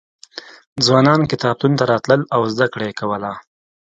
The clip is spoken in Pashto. ځوانان کتابتون ته راتلل او زده کړه یې کوله.